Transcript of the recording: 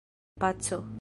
paco